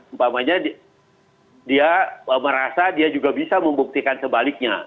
umpamanya dia merasa dia juga bisa membuktikan sebaliknya